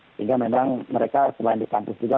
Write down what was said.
sehingga memang mereka selain di kampus juga